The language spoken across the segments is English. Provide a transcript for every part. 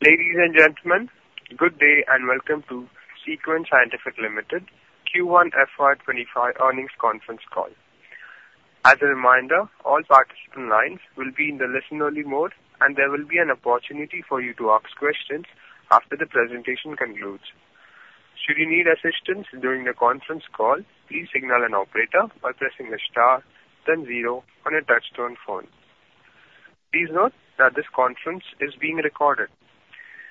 Ladies and gentlemen, good day and welcome to SeQuent Scientific Limited Q1 FY 2025 earnings conference call. As a reminder, all participant lines will be in the listen-only mode, and there will be an opportunity for you to ask questions after the presentation concludes. Should you need assistance during the conference call, please signal an operator by pressing the star, then zero on your touch-tone phone. Please note that this conference is being recorded.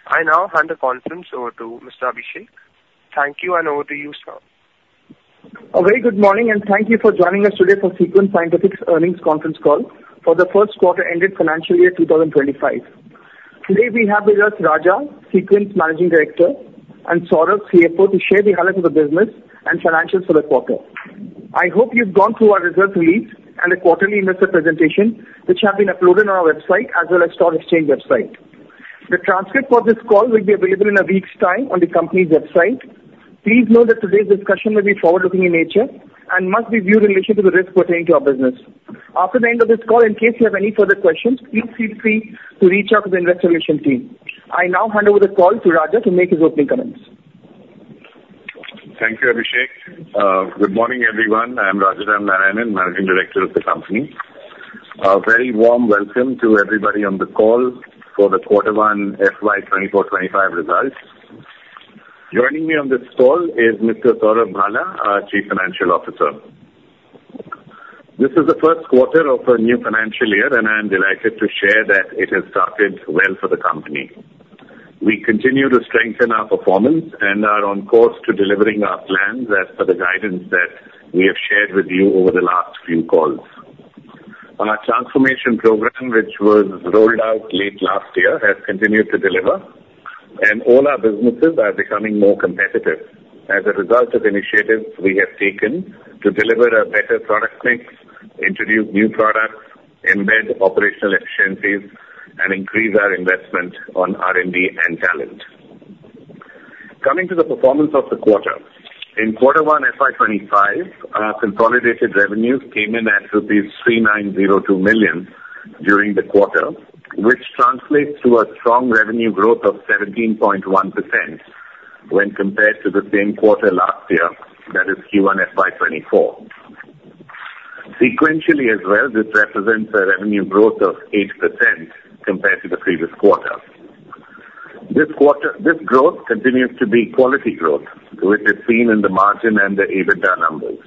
I now hand the conference over to Mr. Abhishek. Thank you, and over to you, sir. A very good morning and thank you for joining us today for SeQuent Scientific's earnings conference call for the first quarter ended FY 2025. Today we have with us Raja, SeQuent's Managing Director, and Saurav, CFO, to share the health of the business and financials for the quarter. I hope you've gone through our results release and the quarterly investor presentation, which have been uploaded on our website as well as stock exchange website. The transcript for this call will be available in a week's time on the company's website. Please note that today's discussion will be forward-looking in nature and must be viewed in relation to the risks pertaining to our business. After the end of this call, in case you have any further questions, please feel free to reach out to the investor relation team. I now hand over the call to Raja to make his opening comments. Thank you, Abhishek. Good morning, everyone. I am Rajaram Narayanan, Managing Director of the company. A very warm welcome to everybody on the call for the quarter one FY 2024/2025 results. Joining me on this call is Mr. Saurav Bhala, our Chief Financial Officer. This is the first quarter of a new financial year, and I am delighted to share that it has started well for the company. We continue to strengthen our performance and are on course to delivering our plans as per the guidance that we have shared with you over the last few calls. Our transformation program, which was rolled out late last year, has continued to deliver, and all our businesses are becoming more competitive as a result of initiatives we have taken to deliver a better product mix, introduce new products, embed operational efficiencies, and increase our investment on R&D and talent. Coming to the performance of the quarter. In Q1 FY 2025, our consolidated revenues came in at rupees 3,902 million during the quarter, which translates to a strong revenue growth of 17.1% when compared to the same quarter last year, that is Q1 FY 2024. Sequentially as well, this represents a revenue growth of 8% compared to the previous quarter. This growth continues to be quality growth, which is seen in the margin and the EBITDA numbers.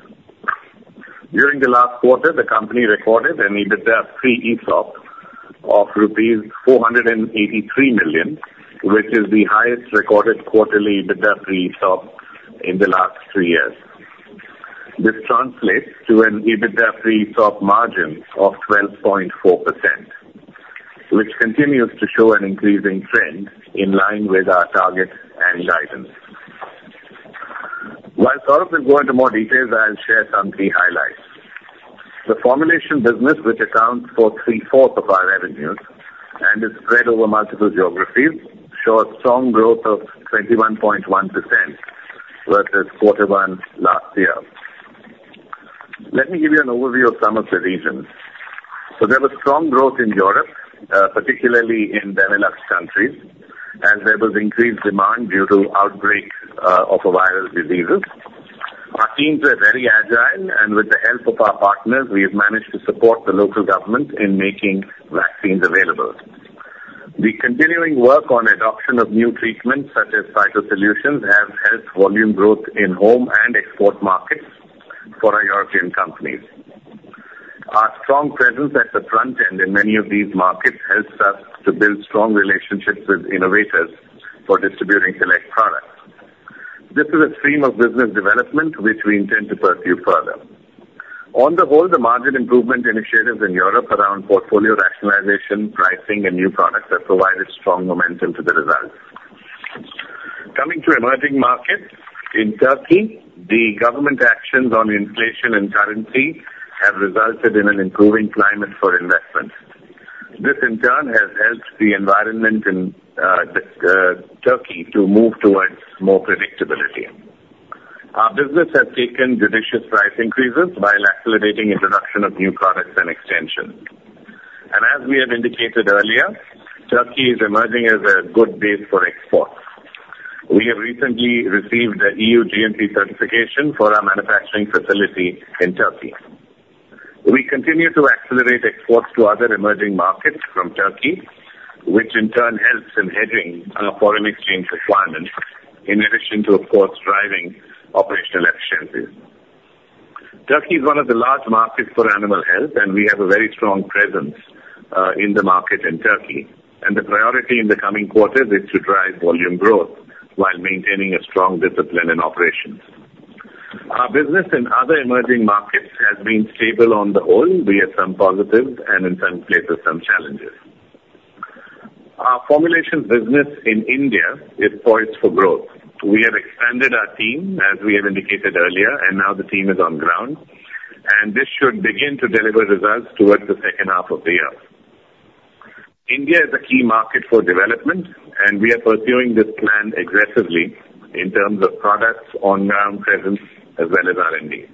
During the last quarter, the company recorded an EBITDA pre-ESOP of rupees 483 million, which is the highest recorded quarterly EBITDA pre-ESOP in the last three years. This translates to an EBITDA pre-ESOP margin of 12.4%, which continues to show an increasing trend in line with our target and guidance. While Saurav will go into more details, I'll share some key highlights. The formulation business, which accounts for 3/4 of our revenues and is spread over multiple geographies, show a strong growth of 21.1% versus quarter one last year. Let me give you an overview of some of the regions. There was strong growth in Europe, particularly in Benelux countries, as there was increased demand due to outbreak of viral diseases. Our teams are very agile and with the help of our partners, we have managed to support the local government in making vaccines available. The continuing work on adoption of new treatments such as [cytol solutions] has helped volume growth in home and export markets for our European companies. Our strong presence at the front end in many of these markets helps us to build strong relationships with innovators for distributing select products. This is a stream of business development which we intend to pursue further. On the whole, the margin improvement initiatives in Europe around portfolio rationalization, pricing, and new products have provided strong momentum to the results. Coming to emerging markets. In Turkey, the government actions on inflation and currency have resulted in an improving climate for investment. This in turn has helped the environment in Turkey to move towards more predictability. Our business has taken judicious price increases while accelerating introduction of new products and extensions. As we have indicated earlier, Turkey is emerging as a good base for exports. We have recently received the EU GMP certification for our manufacturing facility in Turkey. We continue to accelerate exports to other emerging markets from Turkey, which in turn helps in hedging our foreign exchange requirements, in addition to, of course, driving operational efficiencies. Turkey is one of the large markets for animal health, and we have a very strong presence in the market in Turkey, and the priority in the coming quarters is to drive volume growth while maintaining a strong discipline in operations. Our business in other emerging markets has been stable on the whole. We have some positives and in some places, some challenges. Our formulations business in India is poised for growth. We have expanded our team, as we have indicated earlier, and now the team is on ground, and this should begin to deliver results towards the second half of the year. India is a key market for development, and we are pursuing this plan aggressively in terms of products, on-ground presence, as well as R&D.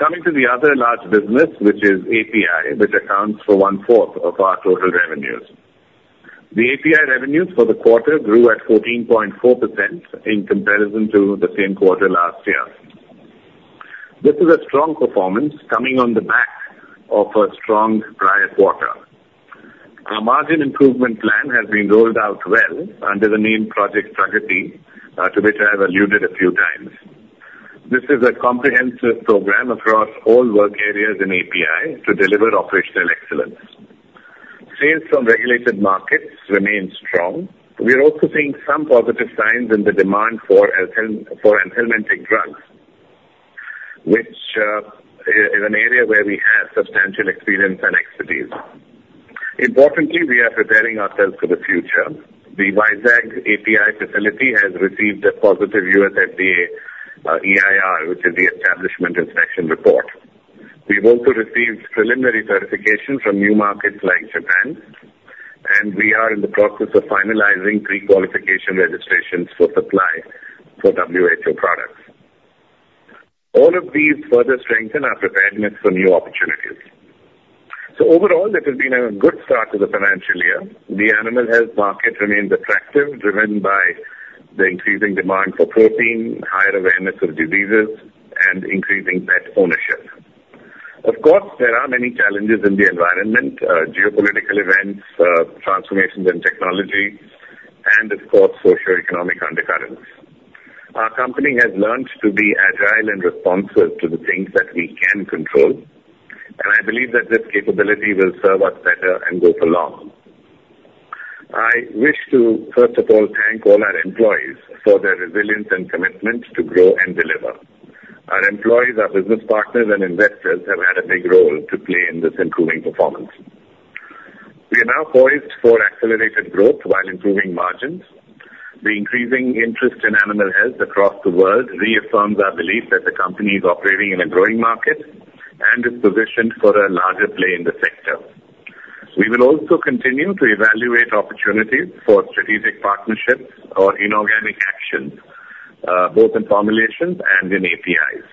Coming to the other large business, which is API, which accounts for 1/4 of our total revenues. The API revenues for the quarter grew at 14.4% in comparison to the same quarter last year. This is a strong performance coming on the back of a strong prior quarter. Our margin improvement plan has been rolled out well under the name Project Pragati, to which I have alluded a few times. This is a comprehensive program across all work areas in API to deliver operational excellence. Sales from regulated markets remain strong. We are also seeing some positive signs in the demand for anthelmintic drugs, which is an area where we have substantial experience and expertise. Importantly, we are preparing ourselves for the future. The Vizag API facility has received a positive U.S. FDA EIR, which is the Establishment Inspection Report. We've also received preliminary certification from new markets like Japan, and we are in the process of finalizing pre-qualification registrations for supply for WHO products. All of these further strengthen our preparedness for new opportunities. Overall, it has been a good start to the financial year. The animal health market remains attractive, driven by the increasing demand for protein, higher awareness of diseases, and increasing pet ownership. Of course, there are many challenges in the environment, geopolitical events, transformations in technology, and of course, socioeconomic undercurrents. Our company has learnt to be agile and responsive to the things that we can control, and I believe that this capability will serve us better and go for long. I wish to first of all thank all our employees for their resilience and commitment to grow and deliver. Our employees, our business partners, and investors have had a big role to play in this improving performance. We are now poised for accelerated growth while improving margins. The increasing interest in animal health across the world reaffirms our belief that the company is operating in a growing market and is positioned for a larger play in the sector. We will also continue to evaluate opportunities for strategic partnerships or inorganic actions, both in formulations and in APIs.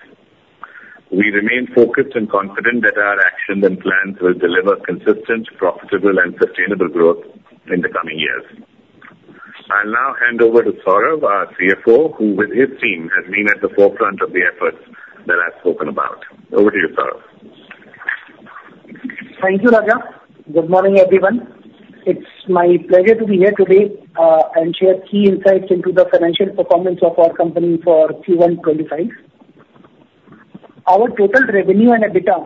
We remain focused and confident that our actions and plans will deliver consistent, profitable, and sustainable growth in the coming years. I'll now hand over to Saurav, our CFO, who with his team, has been at the forefront of the efforts that I've spoken about. Over to you, Saurav. Thank you, Raja. Good morning, everyone. It's my pleasure to be here today and share key insights into the financial performance of our company for Q1 2025. Our total revenue and EBITDA,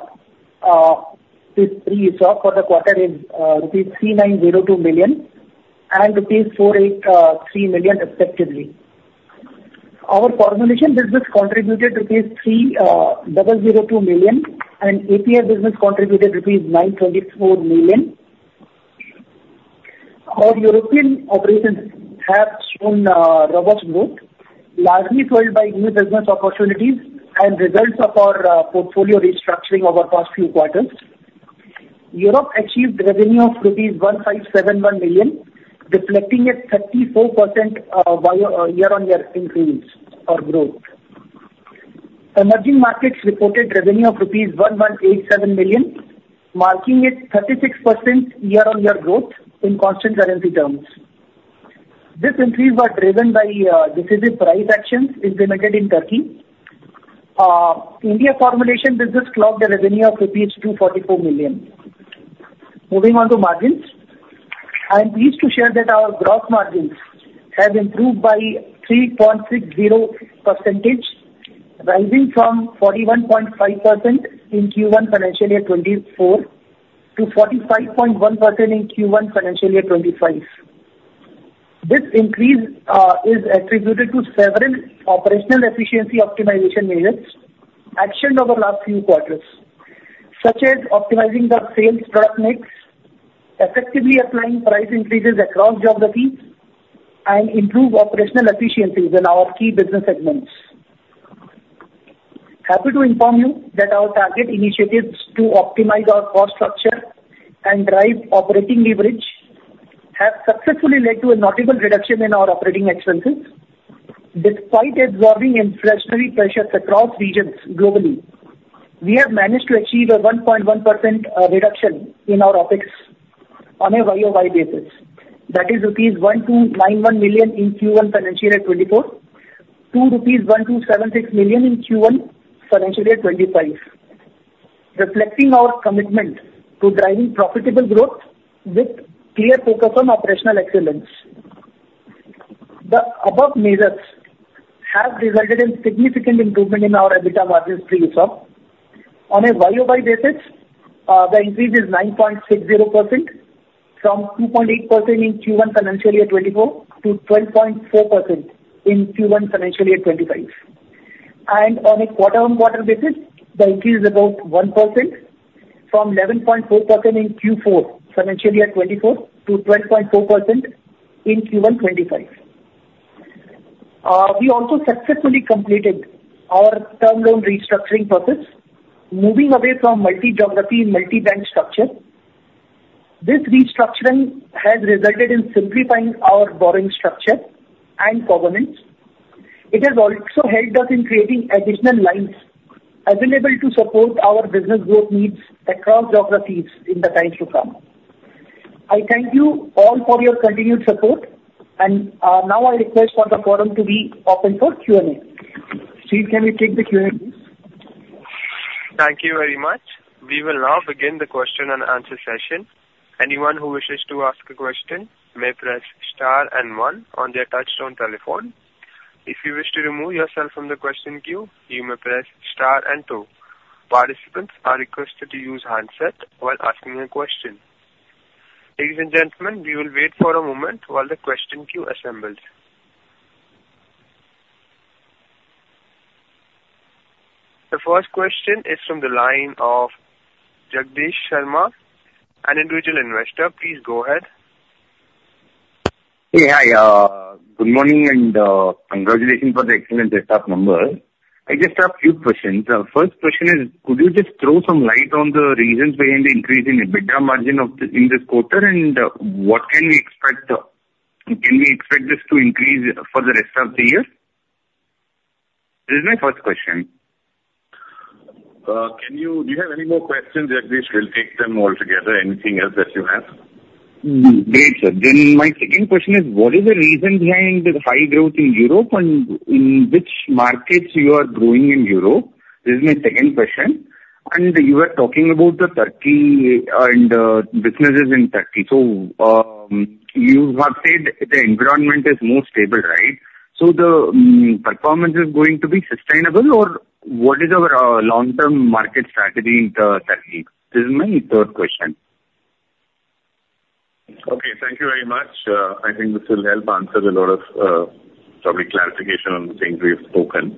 pre ESOP, for the quarter is rupees 3,902 million and rupees 483 million respectively. Our formulation business contributed rupees 3,002 million and API business contributed rupees 924 million. Our European operations have shown robust growth, largely fueled by new business opportunities and results of our portfolio restructuring over past few quarters. Europe achieved revenue of rupees 1,571 million, reflecting a 34% year-on-year increase or growth. Emerging markets reported revenue of rupees 1,187 million, marking a 36% year-on-year growth in constant currency terms. This increase was driven by decisive price actions implemented in Turkey. India formulation business clocked a revenue of rupees 244 million. Moving on to margins. I'm pleased to share that our gross margins have improved by 3.60%, rising from 41.5% in Q1 financial year 2024 to 45.1% in Q1 financial year 2025. This increase is attributed to several operational efficiency optimization measures actioned over last few quarters, such as optimizing the sales product mix, effectively applying price increases across geographies, and improved operational efficiencies in our key business segments. Happy to inform you that our target initiatives to optimize our cost structure and drive operating leverage have successfully led to a notable reduction in our operating expenses. Despite absorbing inflationary pressures across regions globally, we have managed to achieve a 1.1% reduction in our OpEx on a Y-o-Y basis. That is rupees 1,291 million in Q1 financial year 2024 to 1,276 million in Q1 financial year 2025, reflecting our commitment to driving profitable growth with clear focus on operational excellence. The above measures have resulted in significant improvement in our EBITDA margins pre ESOP. On a Y-o-Y basis, the increase is 9.60%, from 2.8% in Q1 FY 2024 to 12.4% in Q1 FY 2025. On a quarter-on-quarter basis, the increase is about 1%, from 11.4% in Q4 FY 2024 to 12.4% in Q1 2025. We also successfully completed our term loan restructuring process, moving away from multi-geography, multi-bank structure. This restructuring has resulted in simplifying our borrowing structure and governance. It has also helped us in creating additional lines available to support our business growth needs across geographies in the time to come. I thank you all for your continued support and now I request for the forum to be open for Q&A. Steve, can we take the Q&A, please? Thank you very much. We will now begin the question and answer session. Anyone who wishes to ask a question may press star and one on their touch-tone telephone. If you wish to remove yourself from the question queue, you may press star and two. Participants are requested to use handset while asking a question. Ladies and gentlemen, we will wait for a moment while the question queue assembles. The first question is from the line of Jagdish Sharma, an individual investor. Please go ahead. Hey. Hi. Good morning and congratulations for the excellent result numbers. I just have a few questions. First question is, could you just throw some light on the reasons behind the increase in EBITDA margin in this quarter? Can we expect this to increase for the rest of the year? This is my first question. Do you have any more questions, Jagdish? We'll take them all together. Anything else that you have? Great, sir. My second question is, what is the reason behind the high growth in Europe, and in which markets you are growing in Europe? This is my second question. You were talking about Turkey and businesses in Turkey. You have said the environment is more stable, right? The performance is going to be sustainable, or what is our long-term market strategy in Turkey? This is my third question. Okay, thank you very much. I think this will help answer a lot of, probably, clarification on things we have spoken.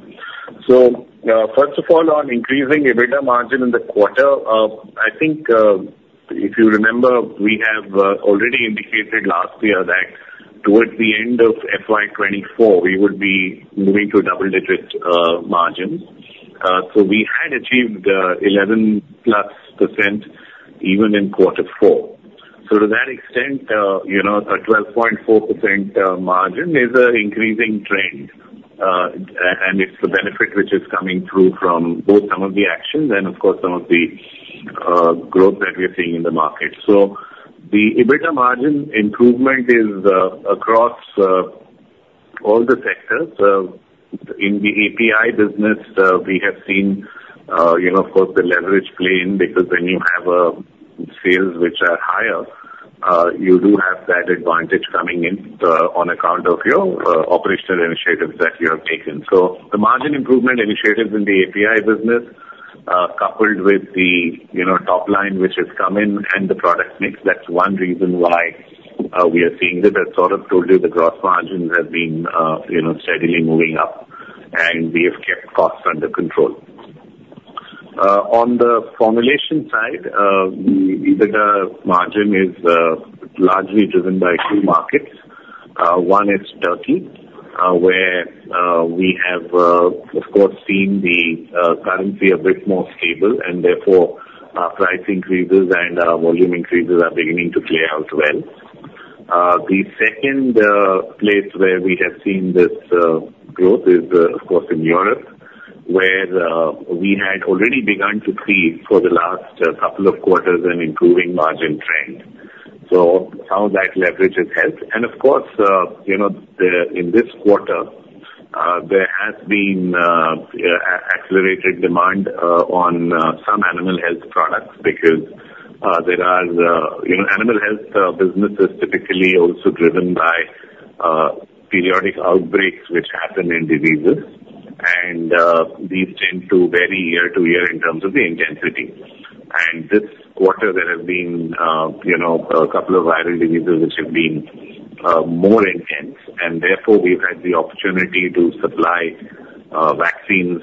First of all, on increasing EBITDA margin in the quarter, I think, if you remember, we have already indicated last year that towards the end of FY 2024, we would be moving to a double-digit margin. We had achieved 11%+ even in quarter four. To that extent, our 12.4% margin is an increasing trend. It's the benefit which is coming through from both some of the actions and, of course, some of the growth that we are seeing in the market. The EBITDA margin improvement is across all the sectors. In the API business, we have seen, of course, the leverage play in, because when you have sales which are higher, you do have that advantage coming in on account of your operational initiatives that you have taken. The margin improvement initiatives in the API business, coupled with the top line which has come in and the product mix, that's one reason why we are seeing this. As Saurav told you, the gross margins have been steadily moving up, and we have kept costs under control. On the formulation side, the EBITDA margin is largely driven by two markets. One is Turkey, where we have, of course, seen the currency a bit more stable, and therefore our price increases and our volume increases are beginning to play out well. The second place where we have seen this growth is, of course, in Europe, where we had already begun to see for the last couple of quarters an improving margin trend. Of course, in this quarter, there has been accelerated demand on some animal health products because animal health business is typically also driven by periodic outbreaks which happen in diseases. These tend to vary year to year in terms of the intensity. This quarter, there have been a couple of viral diseases which have been more intense, and therefore we've had the opportunity to supply vaccines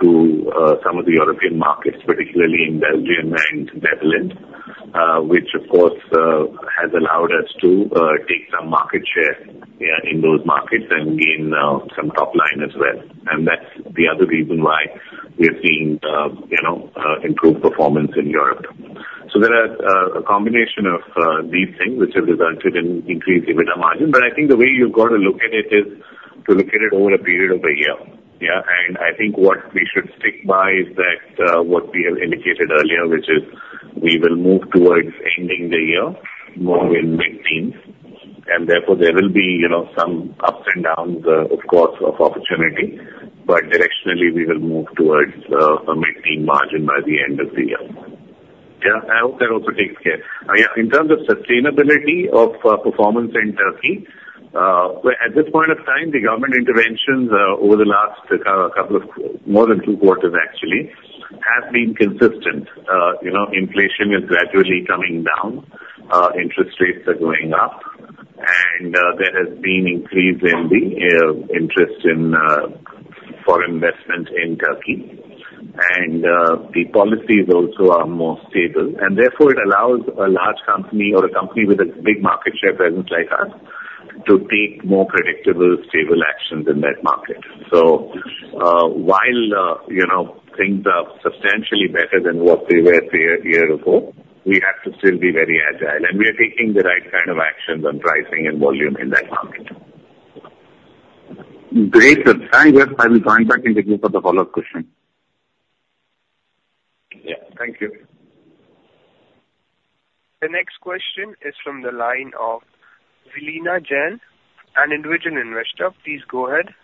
to some of the European markets, particularly in Belgium and Netherlands, which, of course, has allowed us to take some market share in those markets and gain some top line as well. That's the other reason why we have seen improved performance in Europe. There are a combination of these things which have resulted in increased EBITDA margin. I think the way you've got to look at it is to look at it over a period of a year. I think what we should stick by is that what we have indicated earlier, which is we will move towards ending the year more in mid-teens, and therefore there will be some ups and downs, of course, of opportunity. Directionally, we will move towards a mid-teen margin by the end of the year. I hope that also takes care. In terms of sustainability of performance in Turkey, at this point of time, the government interventions over the last couple of more than two quarters actually, have been consistent. Inflation is gradually coming down, interest rates are going up, there has been increase in the interest in foreign investment in Turkey. The policies also are more stable, and therefore it allows a large company or a company with a big market share presence like us to take more predictable, stable actions in that market. While things are substantially better than what they were a year ago, we have to still be very agile. We are taking the right kind of actions on pricing and volume in that market. Great. Sir, thank you. I will join back in with you for the follow-up question. Yeah. Thank you. The next question is from the line of Vilina Jain, an individual investor. Please go ahead.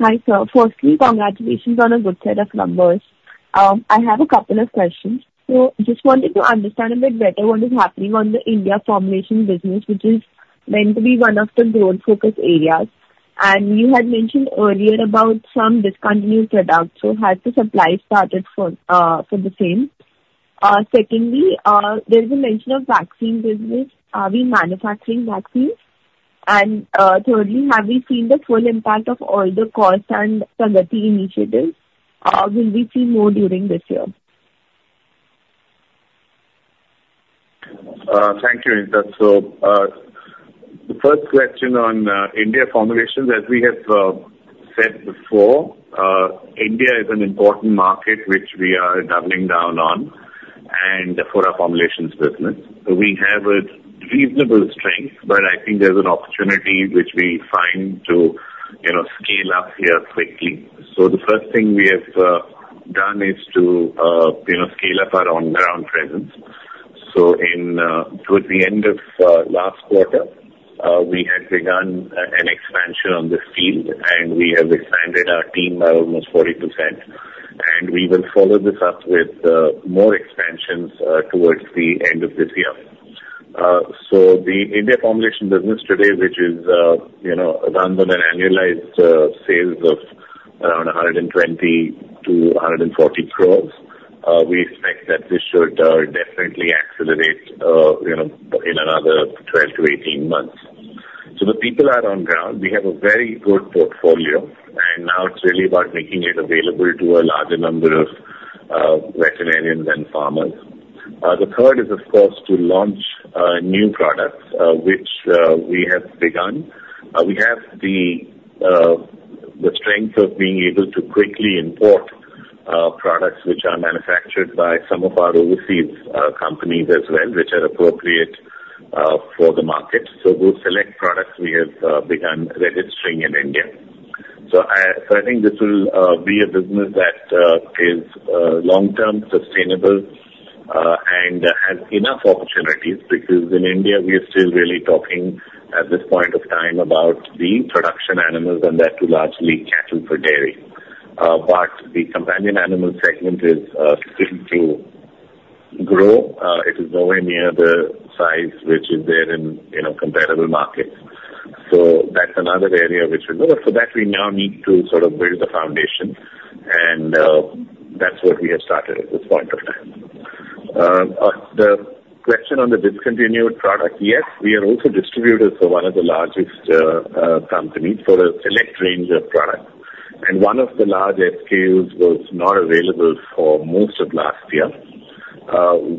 Hi, sir. Firstly, congratulations on a good set of numbers. I have a couple of questions. Just wanted to understand a bit better what is happening on the India formulation business, which is meant to be one of the growth focus areas. You had mentioned earlier about some discontinued products. Has the supply started for the same? Secondly, there is a mention of vaccine business. Are we manufacturing vaccines? Thirdly, have we seen the full impact of all the cost and Pragati initiatives? Will we see more during this year? Thank you, Vilina. The first question on India formulations, as we have said before, India is an important market which we are doubling down on and for our formulations business. We have a reasonable strength, but I think there's an opportunity which we find to scale up here quickly. The first thing we have done is to scale up our on-ground presence. Towards the end of last quarter, we had begun an expansion on this field, and we have expanded our team by almost 40%. We will follow this up with more expansions towards the end of this year. The India formulation business today, which runs on an annualized sales of around 120 crore-140 crore, we expect that this should definitely accelerate in another 12 months-18 months. The people are on ground. We have a very good portfolio, and now it's really about making it available to a larger number of veterinarians and farmers. The third is, of course, to launch new products, which we have begun. We have the strength of being able to quickly import products which are manufactured by some of our overseas companies as well, which are appropriate for the market. Those select products we have begun registering in India. I think this will be a business that is long-term sustainable, and has enough opportunities because in India, we are still really talking at this point of time about the production animals, and that too largely cattle for dairy. The companion animal segment is still to grow. It is nowhere near the size which is there in comparable markets. That's another area which we look for, that we now need to sort of build the foundation. That's what we have started at this point of time. On the question on the discontinued product, yes, we are also distributors for one of the largest companies for a select range of products. One of the large SKUs was not available for most of last year.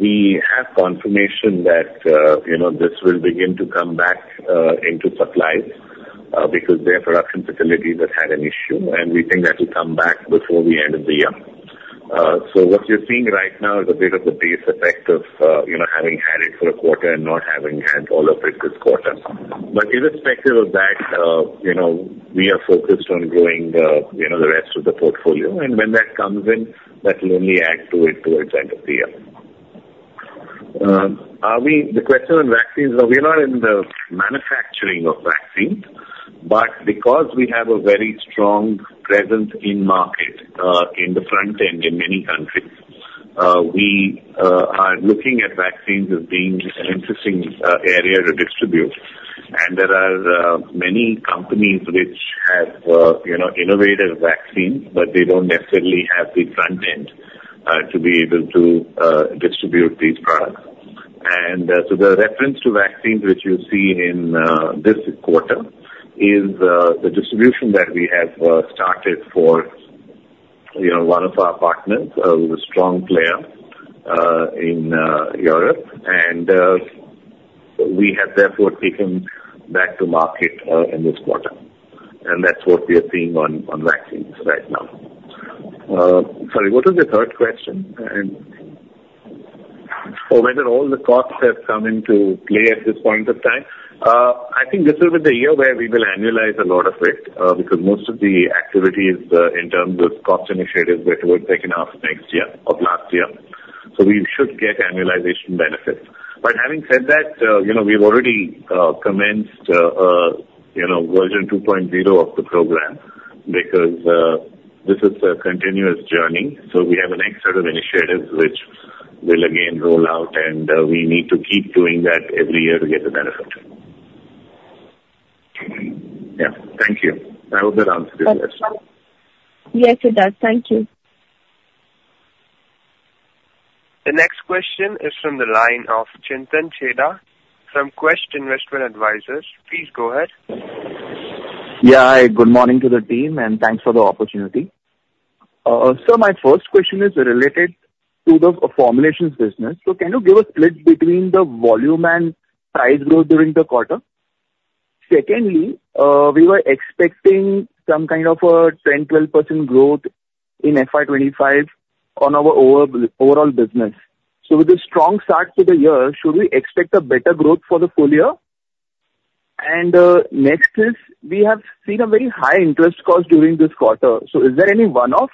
We have confirmation that this will begin to come back into supply, because their production facilities had an issue. We think that will come back before the end of the year. What you're seeing right now is a bit of the base effect of having had it for a quarter and not having had all of it this quarter. Irrespective of that, we are focused on growing the rest of the portfolio. When that comes in, that will only add to it towards the end of the year. The question on vaccines, we're not in the manufacturing of vaccines. Because we have a very strong presence in market, in the front end in many countries, we are looking at vaccines as being an interesting area to distribute. There are many companies which have innovative vaccines, but they don't necessarily have the front end to be able to distribute these products. The reference to vaccines, which you see in this quarter is the distribution that we have started for one of our partners, who's a strong player in Europe. We have therefore taken back to market in this quarter. That's what we are seeing on vaccines right now. Sorry, what was the third question? Whether all the costs have come into play at this point of time. I think this will be the year where we will annualize a lot of it, because most of the activities, in terms of cost initiatives, were towards second half of last year. We should get annualization benefits. Having said that, we've already commenced version 2.0 of the program because this is a continuous journey. We have a next set of initiatives which we'll again roll out, and we need to keep doing that every year to get the benefit. Yeah. Thank you. I hope that answers your questions. Yes, it does. Thank you. The next question is from the line of Chintan Chheda from Quest Investment Advisors. Please go ahead. Yeah. Good morning to the team, and thanks for the opportunity. Sir, my first question is related to the formulations business. Can you give a split between the volume and price growth during the quarter? Secondly, we were expecting some kind of a 10%-12% growth in FY 2025 on our overall business. With a strong start to the year, should we expect a better growth for the full year? Next is, we have seen a very high interest cost during this quarter. Is there any one-off,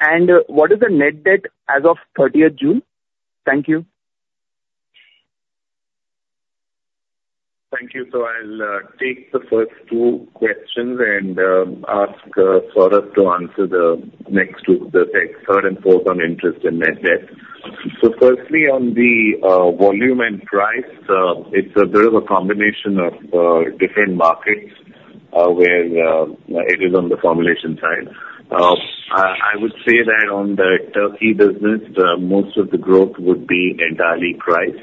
and what is the net debt as of 30th June? Thank you. Thank you. I'll take the first two questions and ask Saurav to answer the next two, the third and fourth on interest and net debt. Firstly, on the volume and price, there is a combination of different markets where it is on the formulation side. I would say that on the Turkey business, most of the growth would be entirely price.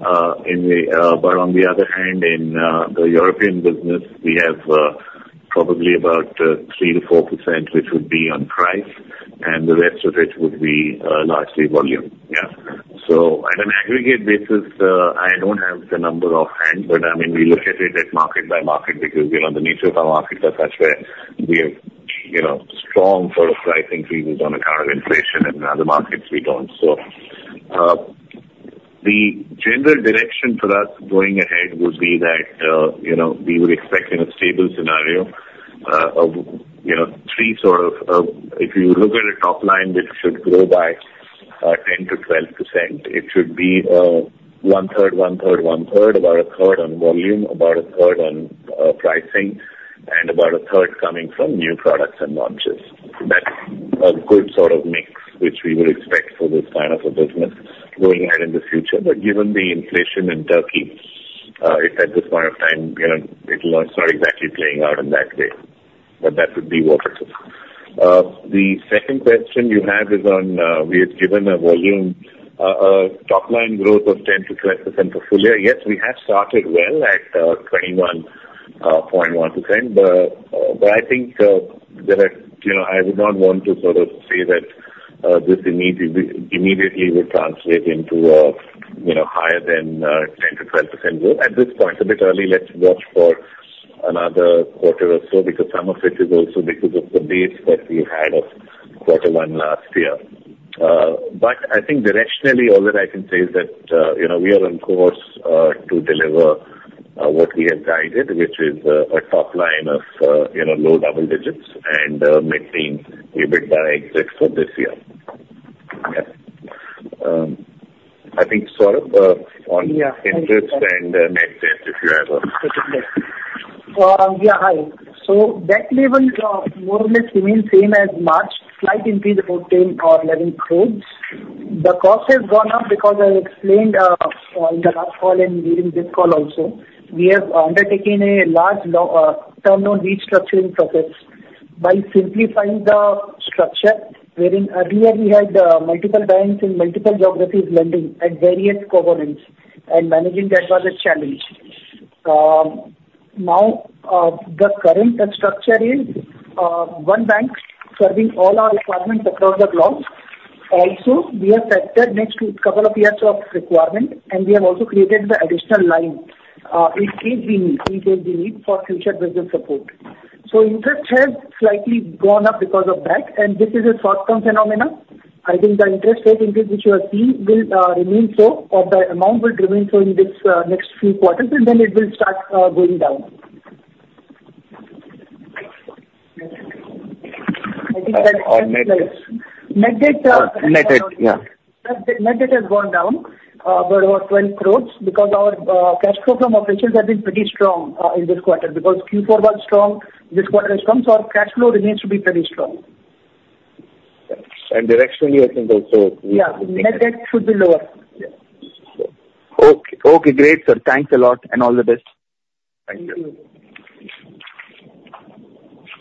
On the other hand, in the European business, we have probably about 3%-4%, which would be on price, and the rest of it would be largely volume. Yeah. On an aggregate basis, I don't have the number offhand, but we look at it as market by market because the nature of our markets are such that we have strong sort of pricing fevers on account of inflation and other markets we don't. The general direction for us going ahead would be that we would expect in a stable scenario, if you look at a top line, which should grow by 10%-12%, it should be 1/3, 1/3, 1/3. About 1/3 on volume, about 1/3 on pricing, and about 1/3 coming from new products and launches. That's a good sort of mix, which we would expect for this kind of a business going ahead in the future. Given the inflation in Turkey, at this point of time, it's not exactly playing out in that way, but that would be what it is. The second question you had is on, we had given a volume top-line growth of 10%-12% for full year. Yes, we have started well at 21.1%. I think that I would not want to say that this immediately will translate into higher than 10%-12% growth. At this point, a bit early. Let's watch for another quarter or so, because some of it is also because of the base that we had of quarter one last year. I think directionally, all that I can say is that we are on course to deliver what we had guided, which is a top line of low double digits and maintaining EBITDA exits for this year. Yeah. I think, Saurav, on interest and net debt, if you have a specific number. Yeah, hi. Debt level more or less remains same as March. Slight increase, about 10 crores or 11 crores. The cost has gone up because I explained on the last call and during this call also. We have undertaken a large term loan restructuring process by simplifying the structure. Wherein earlier we had multiple banks in multiple geographies lending at various covenants, and managing that was a challenge. Now, the current structure is one bank serving all our requirements across the globe. Also, we have set that next couple of years of requirement, and we have also created the additional line, in case we need for future business support. Interest has slightly gone up because of that, and this is a short-term phenomenon. I think the interest rate increase which you are seeing will remain so, or the amount will remain so in this next few quarters, and then it will start going down. I think that explains. Net debt. Net debt- Net debt, yeah. Net debt has gone down by about 12 crore because our cash flow from operations has been pretty strong in this quarter. Q4 was strong, this quarter is strong, so our cash flow remains to be pretty strong. Yes. Directionally, I think also. Yeah, net debt should be lower. Yeah. Okay, great, sir. Thanks a lot, and all the best. Thank you.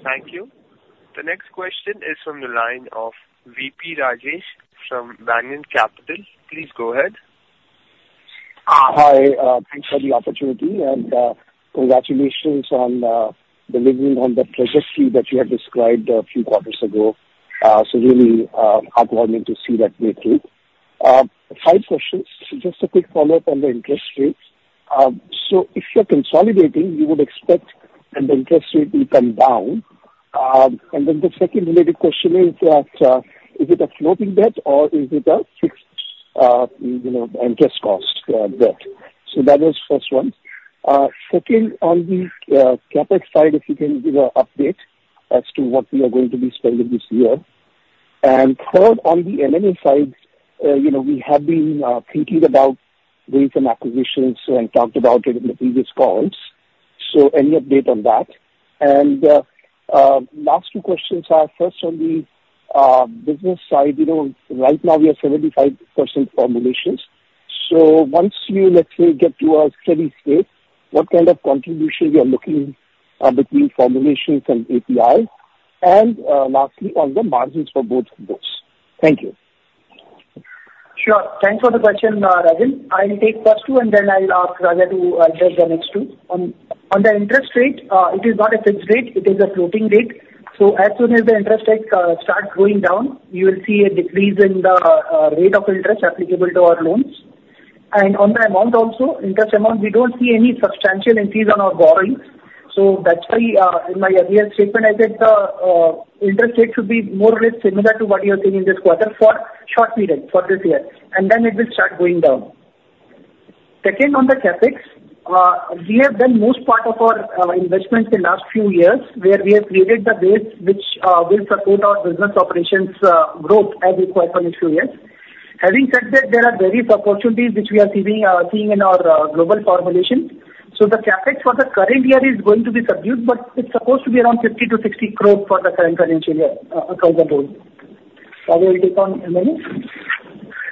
Thank you. The next question is from the line of V.P. Rajesh from Banyan Capital. Please go ahead. Hi, thanks for the opportunity. Congratulations on delivering on the trajectory that you had described a few quarters ago. Really heartening to see that play through. Five questions. Just a quick follow-up on the interest rates. If you're consolidating, you would expect an interest rate will come down. The second related question is that, is it a floating debt or is it a fixed interest cost debt? That was first one. Second, on the CapEx side, if you can give an update as to what we are going to be spending this year. Third, on the M&A side, we have been thinking about doing some acquisitions and talked about it in the previous calls. Any update on that? Last two questions are first on the business side. Right now, we are 75% formulations. Once you, let's say, get to a steady state, what kind of contribution you are looking between formulations and API? Lastly, on the margins for both of those. Thank you. Sure. Thanks for the question, Rajesh. I'll take first two, and then I'll ask Raja to address the next two. On the interest rate, it is not a fixed rate, it is a floating rate. As soon as the interest rates start going down, you will see a decrease in the rate of interest applicable to our loans. On the amount also, interest amount, we don't see any substantial increase on our borrowings. That's why, in my earlier statement, I said the interest rate should be more or less similar to what you are seeing this quarter for short period, for this year, and then it will start going down. Second, on the CapEx, we have done most part of our investments in last few years, where we have created the base which will support our business operations growth as required for next few years. Having said that, there are various opportunities which we are seeing in our global formulation. The CapEx for the current year is going to be subdued, but it's supposed to be around 50 crores-60 crores for the current financial year as a whole. Raja will take on M&A.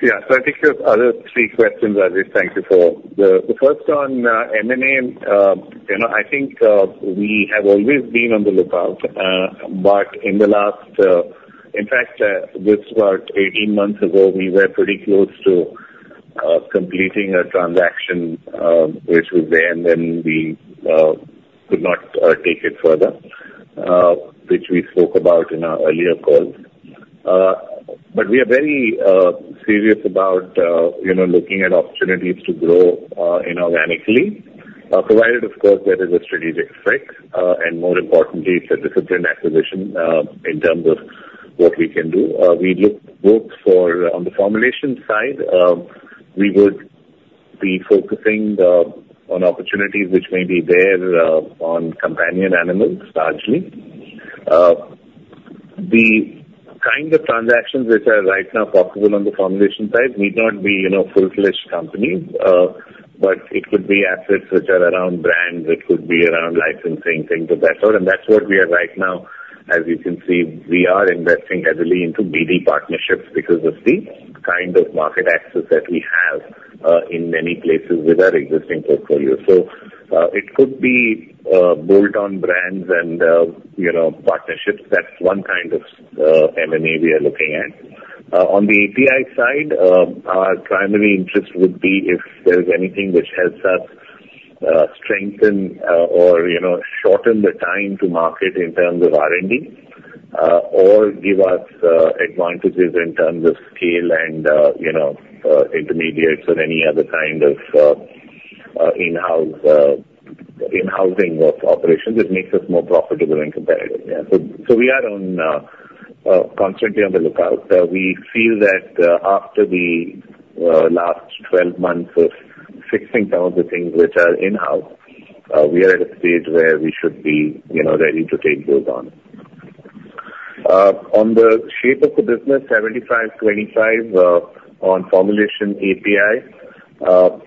Yeah. I'll take those other three questions, Rajesh. Thank you for the first on M&A. I think we have always been on the lookout. In fact, just about 18 months ago, we were pretty close to completing a transaction which was there, and then we could not take it further, which we spoke about in our earlier calls. We are very serious about looking at opportunities to grow inorganically, provided of course, there is a strategic fit, and more importantly, it's a disciplined acquisition in terms of what we can do. On the formulation side, we would be focusing on opportunities which may be there on companion animals, largely. The kind of transactions which are right now possible on the formulation side need not be full-fledged companies. It could be assets which are around brands, which could be around licensing things, et cetera. That's what we are right now. As you can see, we are investing heavily into BD partnerships because of the kind of market access that we have in many places with our existing portfolio. It could be bolt-on brands and partnerships. That's one kind of M&A we are looking at. On the API side, our primary interest would be if there's anything which helps us strengthen or shorten the time to market in terms of R&D or give us advantages in terms of scale and intermediates or any other kind of in-housing of operations. It makes us more profitable and competitive. Yeah. We are constantly on the lookout. We feel that after the last 12 months of fixing some of the things which are in-house, we are at a stage where we should be ready to take those on. On the shape of the business, 75/25 on formulation API.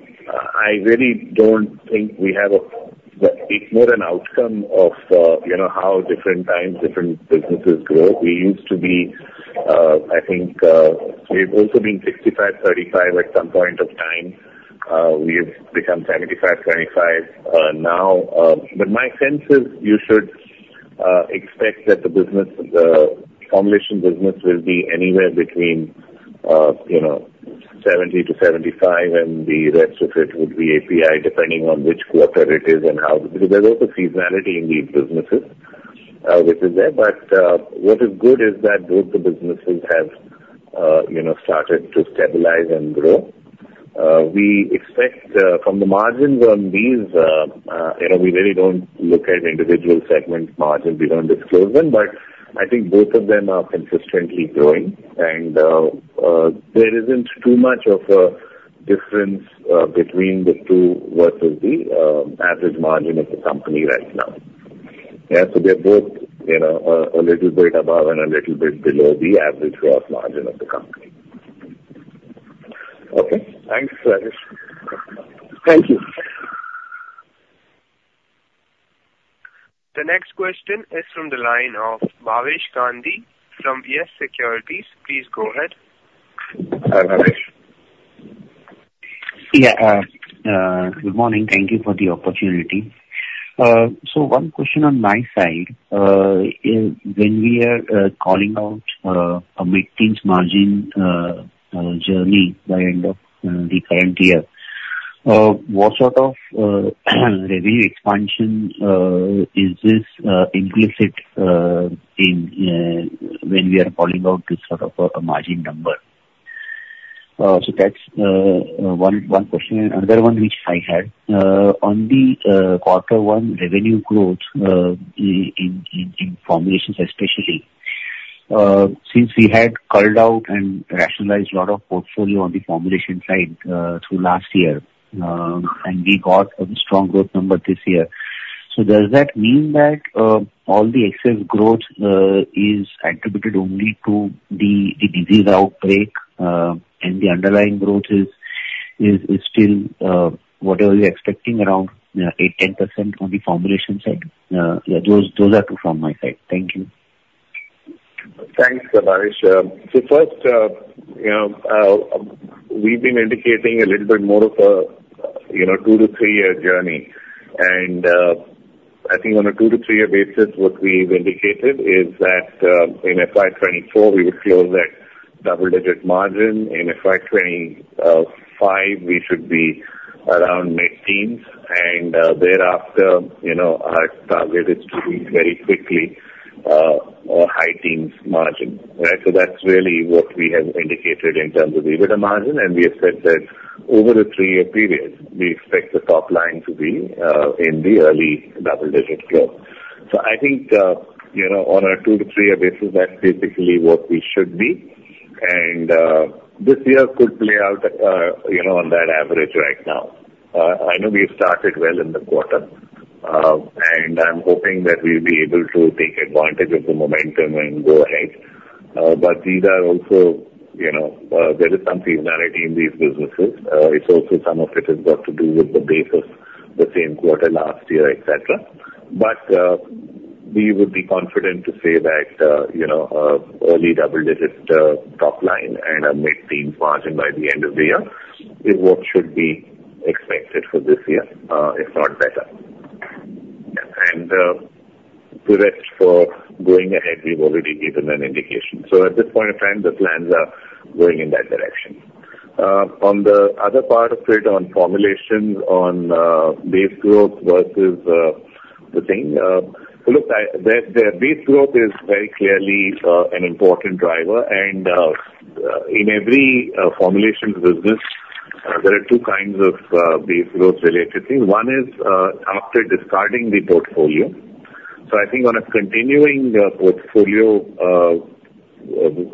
It's more an outcome of how different times different businesses grow. We've also been 65/35 at some point of time. We have become 75/25 now. My sense is you should expect that the formulation business will be anywhere between 70%-75%, and the rest of it would be API, depending on which quarter it is and how, because there's also seasonality in these businesses which is there. What is good is that both the businesses have started to stabilize and grow. From the margins on these, we really don't look at individual segment margins. We don't disclose them, but I think both of them are consistently growing, and there isn't too much of a difference between the two versus the average margin of the company right now. Yeah. They're both a little bit above and a little bit below the average gross margin of the company. Okay. Thanks, Rajesh. Thank you. The next question is from the line of Bhavesh Gandhi from YES SECURITIES. Please go ahead. Hi, Bhavesh. Yeah. Good morning. Thank you for the opportunity. One question on my side. When we are calling out a mid-teens margin journey by end of the current year, what sort of revenue expansion is this implicit when we are calling out this sort of a margin number? That's one question. Another one which I had. On the quarter one revenue growth, in formulations especially, since we had culled out and rationalized lot of portfolio on the formulation side through last year, and we got a strong growth number this year. Does that mean that all the excess growth is attributed only to the disease outbreak, and the underlying growth is still whatever you're expecting around 8%-10% on the formulation side? Yeah, those are two from my side. Thank you. Thanks, Bhavesh. First, we've been indicating a little bit more of a two to three-year journey. I think on a two to three-year basis, what we've indicated is that in FY 2024, we would close at double-digit margin. In FY 2025, we should be around mid-teens. Thereafter, our target is to be very quickly a high teens margin. That's really what we have indicated in terms of EBITDA margin. We have said that over the three-year period, we expect the top line to be in the early double-digit growth. I think, on a two to three-year basis, that's basically what we should be. This year could play out on that average right now. I know we've started well in the quarter. I'm hoping that we'll be able to take advantage of the momentum and go ahead. There is some seasonality in these businesses. It's also some of it has got to do with the base of the same quarter last year, et cetera. We would be confident to say that early double digits top line and a mid-teen margin by the end of the year is what should be expected for this year, if not better. The rest for going ahead, we've already given an indication. At this point in time, the plans are going in that direction. On the other part of it, on formulations, on base growth versus the thing. Look, the base growth is very clearly an important driver, and in every formulations business, there are two kinds of base growth-related things. One is after discarding the portfolio. I think on a continuing portfolio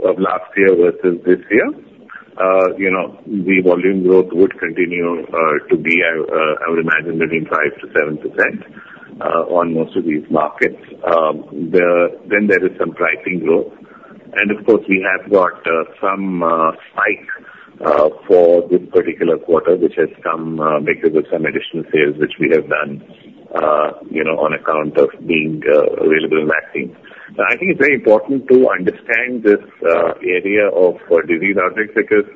of last year versus this year, the volume growth would continue to be, I would imagine, between 5%-7% on most of these markets. There is some pricing growth. Of course, we have got some spike for this particular quarter, which has come because of some additional sales which we have done on account of being available in vaccines. It's very important to understand this area of disease outbreaks, because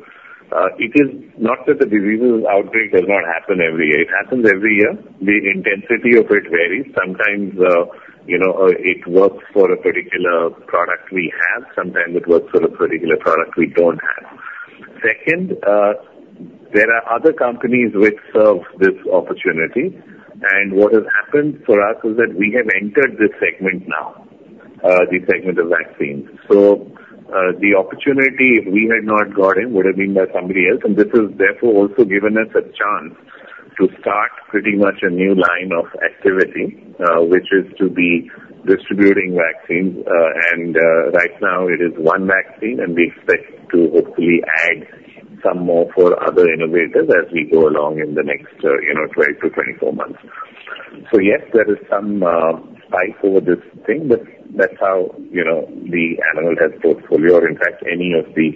it is not that the diseases outbreak does not happen every year. It happens every year. The intensity of it varies. Sometimes it works for a particular product we have, sometimes it works for a particular product we don't have. Second, there are other companies which serve this opportunity, and what has happened for us is that we have entered this segment now, the segment of vaccines. The opportunity, if we had not got in, would have been by somebody else, and this has therefore also given us a chance to start pretty much a new line of activity, which is to be distributing vaccines. Right now it is one vaccine, and we expect to hopefully add some more for other innovators as we go along in the next 12 months-24 months. Yes, there is some spike over this thing, but that's how the animal health portfolio, in fact, any of the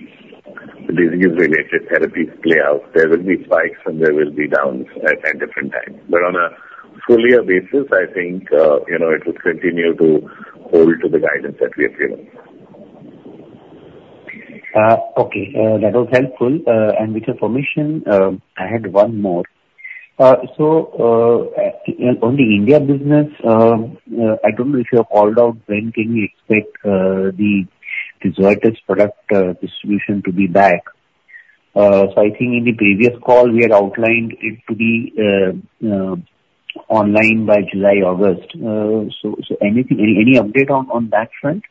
disease-related therapies play out. There will be spikes and there will be downs at different times. On a full year basis, I think it will continue to hold to the guidance that we have given. Okay. That was helpful. With your permission, I had one more. On the India business, I don't know if you have called out when can we expect the Zoetis product distribution to be back? I think in the previous call, we had outlined it to be online by July, August. Anything, any update on that front?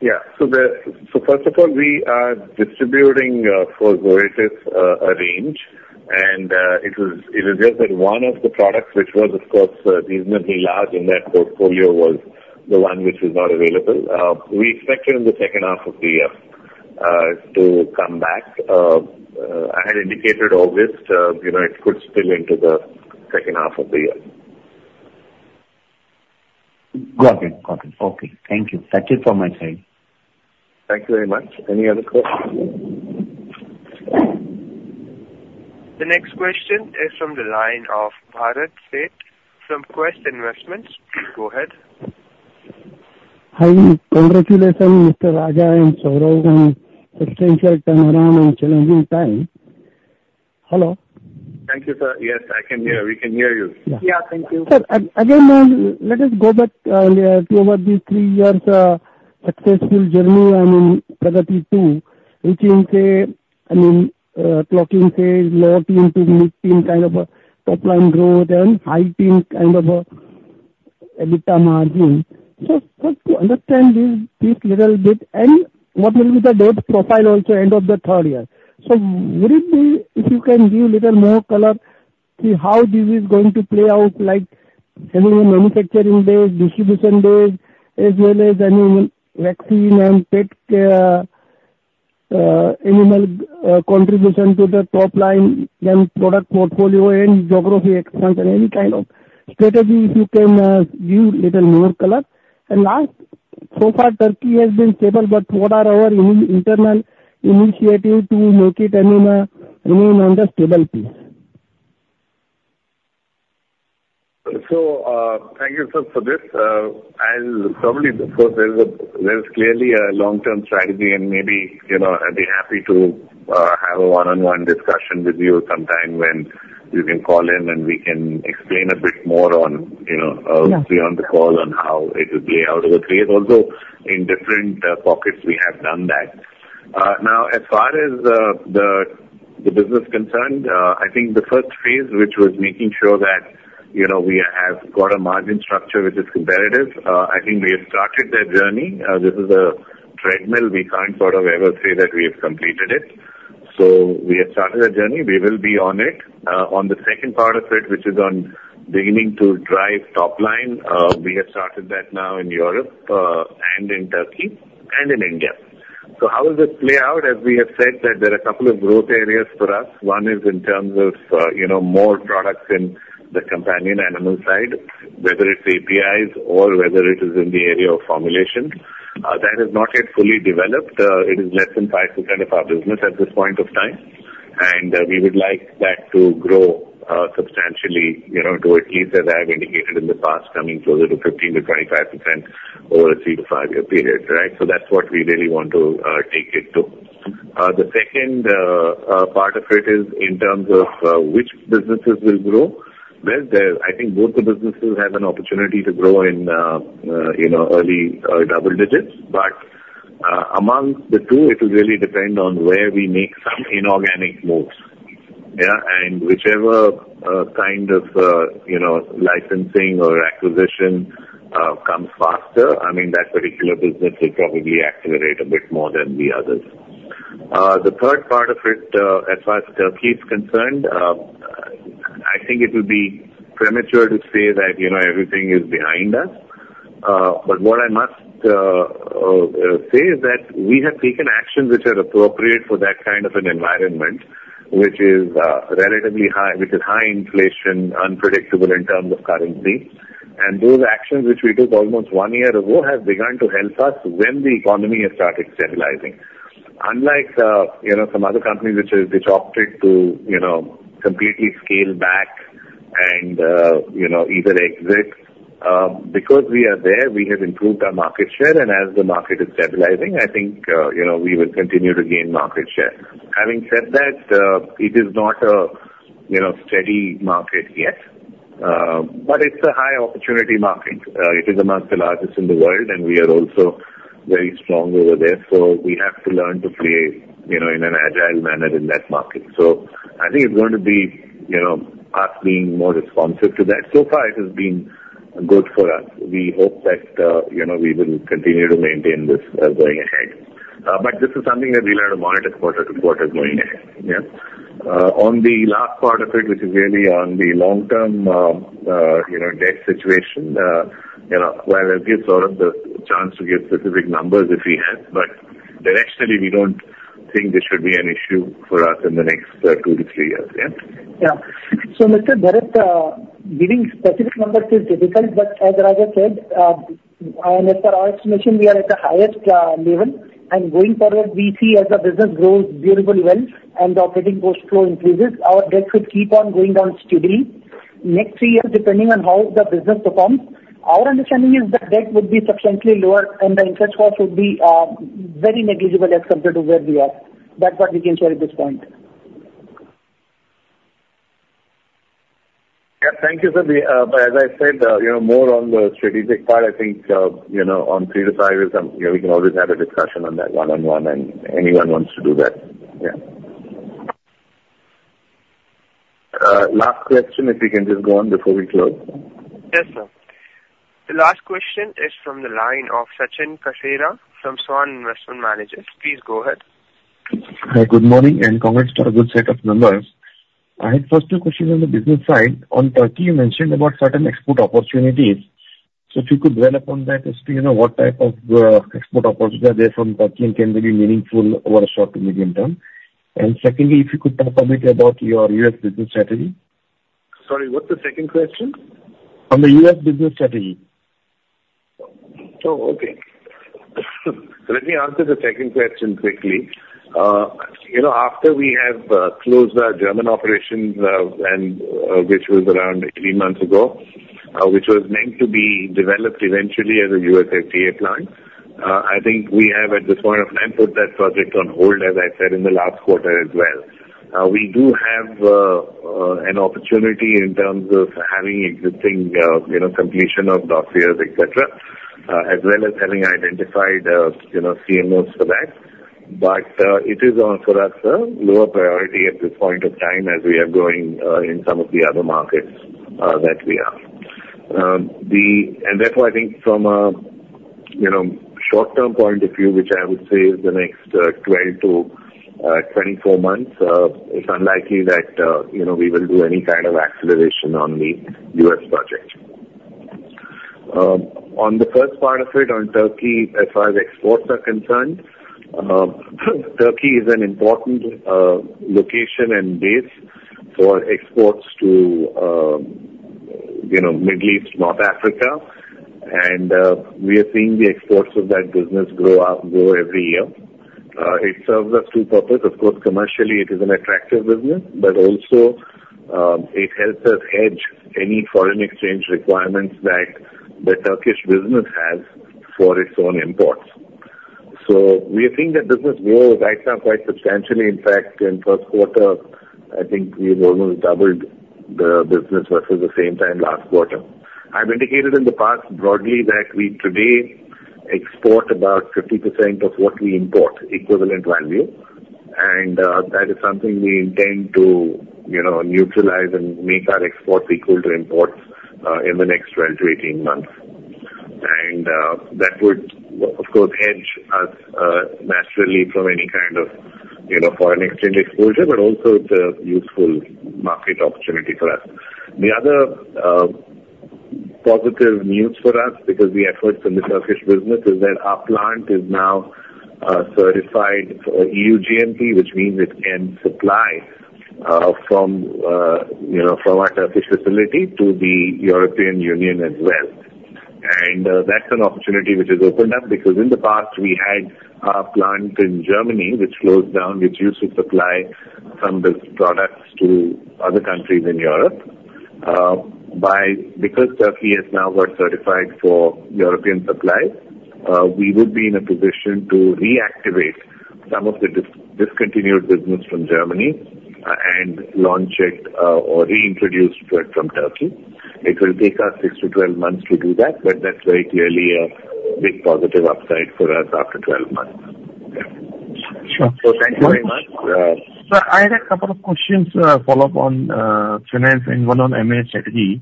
First of all, we are distributing for Zoetis a range, and it is just that one of the products, which was, of course, reasonably large in that portfolio was the one which is not available. We expect it in the second half of the year to come back. I had indicated August. It could spill into the second half of the year. Got it. Okay. Thank you. That's it from my side. Thank you very much. Any other questions? The next question is from the line of Bharat Sheth from Quest Investment. Please go ahead. Hi. Congratulations, Mr. Raja and Saurav on substantial turnaround in challenging time. Hello? Thank you, sir. Yes, I can hear. We can hear you. Yeah. Thank you. Sir, again, let us go back over the three years successful journey. Pragati 2.0, which you say, clocking phase, lower-teen to mid-teen kind of a top-line growth and high-teens kind of a EBITDA margin. Just to understand this little bit and what will be the debt profile also end of the third year. Would it be, if you can give little more color to how this is going to play out, any manufacturing days, distribution days, as well as any vaccine and pet care, animal contribution to the top line, then product portfolio and geography expansion, any kind of strategy if you can give little more color. Last, so far, Turkey has been stable, what are our internal initiatives to make it remain on the stable pace? Thank you, sir, for this. I'll probably, of course, there is clearly a long-term strategy and maybe I'd be happy to have a one-on-one discussion with you sometime when you can call in and we can explain a bit more on the call on how it will play out over three years. Also, in different pockets, we have done that. Now, as far as the business is concerned, I think the first phase, which was making sure that we have got a margin structure which is competitive, I think we have started that journey. This is a treadmill. We can't sort of ever say that we have completed it. We have started that journey. We will be on it. On the second part of it, which is on beginning to drive top line, we have started that now in Europe and in Turkey and in India. How does this play out? As we have said that there are a couple of growth areas for us. One is in terms of more products in the companion animal side, whether it's APIs or whether it is in the area of formulation. That is not yet fully developed. It is less than 5% of our business at this point of time. We would like that to grow substantially to at least, as I have indicated in the past, coming closer to 15%-25% over a three to five-year period. Right? That's what we really want to take it to. The second part of it is in terms of which businesses will grow. Well, I think both the businesses have an opportunity to grow in early double digits. Among the two, it will really depend on where we make some inorganic moves. Yeah. Whichever kind of licensing or acquisition comes faster, I mean, that particular business will probably accelerate a bit more than the others. The third part of it, as far as Turkey is concerned, I think it would be premature to say that everything is behind us. What I must say is that we have taken actions which are appropriate for that kind of an environment, which is high inflation, unpredictable in terms of currency. Those actions, which we took almost one year ago, have begun to help us when the economy has started stabilizing. Unlike some other companies which opted to completely scale back and either exit, because we are there, we have improved our market share and as the market is stabilizing, I think we will continue to gain market share. Having said that, it is not a steady market yet. It's a high opportunity market. It is amongst the largest in the world, and we are also very strong over there. We have to learn to play in an agile manner in that market. I think it's going to be us being more responsive to that. So far, it has been good for us. We hope that we will continue to maintain this going ahead. This is something that we'll have to monitor quarter-to-quarter going ahead. Yeah. On the last part of it, which is really on the long-term debt situation, well, I'll give Saurav the chance to give specific numbers if he has. Directionally, we don't think this should be an issue for us in the next two to three years. Yeah. Mr. Bharat, giving specific numbers is difficult, but as Raja said, and as per our estimation, we are at the highest level. Going forward, we see as the business grows beautifully well and the operating cash flow increases, our debt should keep on going down steadily. Next three years, depending on how the business performs, our understanding is that debt would be substantially lower and the interest cost would be very negligible as compared to where we are. That's what we can share at this point. Yeah. Thank you. As I said, more on the strategic part, I think on three to five years, we can always have a discussion on that one on one and anyone who wants to do that. Yeah. Last question, if we can just go on before we close. Yes, sir. The last question is from the line of Sachin Kasera from Svan Investment Managers. Please go ahead. Hi, good morning and congrats to a good set of numbers. I had first two questions on the business side. On Turkey, you mentioned about certain export opportunities. If you could dwell upon that as to what type of export opportunities are there from Turkey and can they be meaningful over short to medium term? Secondly, if you could talk a bit about your U.S. business strategy. Sorry, what's the second question? On the U.S. business strategy. Let me answer the second question quickly. After we have closed our German operations, which was around 18 months ago, which was meant to be developed eventually as a U.S. FDA plant, we have, at this point of time, put that project on hold, as I said in the last quarter as well. We do have an opportunity in terms of having existing completion of dossiers, et cetera, as well as having identified CMOs for that. It is, for us, a lower priority at this point of time as we are growing in some of the other markets that we are. From a short-term point of view, which I would say is the next 12 months-24 months, it's unlikely that we will do any kind of acceleration on the U.S. project. On the first part of it, on Turkey, as far as exports are concerned, Turkey is an important location and base for exports to Middle East, North Africa. We are seeing the exports of that business grow every year. It serves us two purpose. Of course, commercially, it is an attractive business, but also it helps us hedge any foreign exchange requirements that the Turkish business has for its own imports. We are seeing that business grow right now quite substantially. In fact, in first quarter, I think we've almost doubled the business versus the same time last quarter. I've indicated in the past broadly that we today export about 50% of what we import, equivalent value. That is something we intend to neutralize and make our exports equal to imports in the next 12 months-18 months. That would, of course, hedge us naturally from any kind of foreign exchange exposure, but also it's a useful market opportunity for us. The other positive news for us, because the efforts in the Turkish business, is that our plant is now certified for EU GMP, which means it can supply from our Turkish facility to the European Union as well. That's an opportunity which has opened up, because in the past, we had a plant in Germany which closed down, which used to supply some of its products to other countries in Europe. Because Turkey has now got certified for European supply, we would be in a position to reactivate some of the discontinued business from Germany and launch it or reintroduce it from Turkey. It will take us six to 12 months to do that, but that's very clearly a big positive upside for us after 12 months. Sure. Thank you very much. Sir, I had a couple of questions to follow up on finance and one on M&A strategy.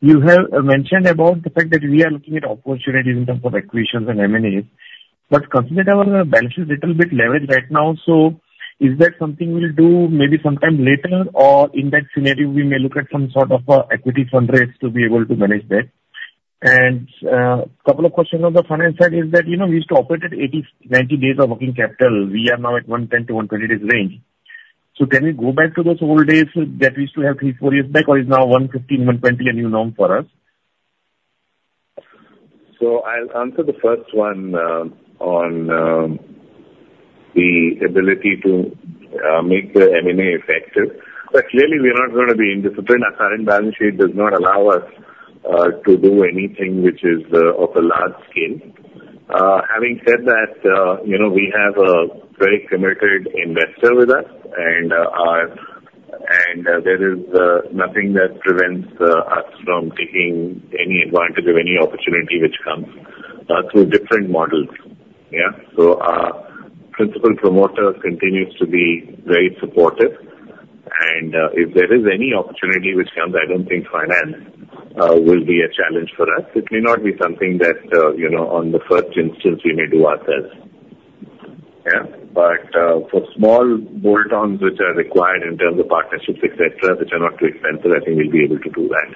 You have mentioned about the fact that we are looking at opportunities in terms of acquisitions and M&As, considering our balance sheet is a little bit leveraged right now, is that something we'll do maybe sometime later, or in that scenario, we may look at some sort of a equity fundraise to be able to manage that? A couple of questions on the finance side is that we used to operate at 80, 90 days of working capital. We are now at 110 days-120 days range. Can we go back to those old days that we used to have three, four years back, or is now 115, 120 a new norm for us? I'll answer the first one on the ability to make the M&A effective. Clearly, we are not going to be indisciplined. Our current balance sheet does not allow us to do anything which is of a large scale. Having said that, we have a very committed investor with us, and there is nothing that prevents us from taking any advantage of any opportunity which comes through different models. Yeah. Our principal promoter continues to be very supportive, and if there is any opportunity which comes, I don't think finance will be a challenge for us. It may not be something that on the first instance we may do ourselves. Yeah. For small bolt-ons which are required in terms of partnerships, et cetera, which are not too expensive, I think we'll be able to do that.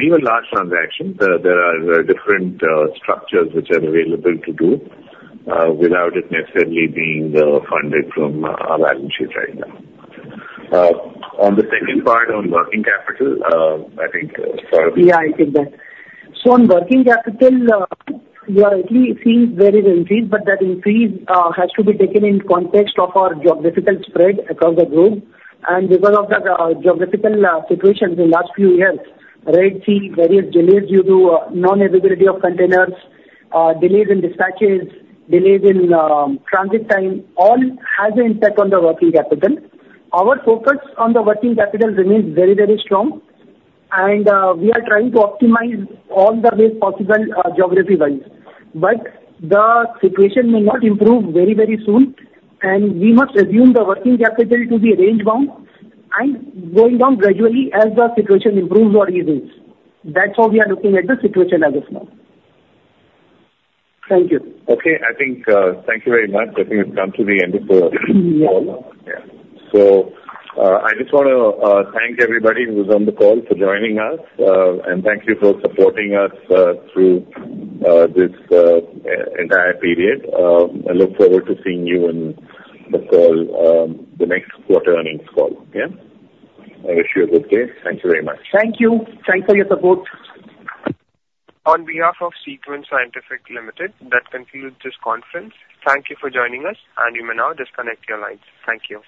Even large transactions, there are different structures which are available to do without it necessarily being funded from our balance sheet right now. On the second part on working capital, I think Saurav. I take that. On working capital, lately it seems very increased, but that increase has to be taken in context of our geographical spread across the globe. Because of the geographical situations in last few years, Red Sea, various delays due to non-availability of containers, delays in dispatches, delays in transit time, all has an impact on the working capital. Our focus on the working capital remains very strong, and we are trying to optimize all the ways possible geography-wise. The situation may not improve very soon, and we must assume the working capital to be range-bound and going down gradually as the situation improves or eases. That's how we are looking at the situation as of now. Thank you. Okay, thank you very much. I think we've come to the end of the call. Yeah. I just want to thank everybody who's on the call for joining us. Thank you for supporting us through this entire period. I look forward to seeing you in the call, the next quarter earnings call. Yeah. I wish you a good day. Thank you very much. Thank you. Thanks for your support. On behalf of SeQuent Scientific Limited, that concludes this conference. Thank you for joining us, and you may now disconnect your lines. Thank you.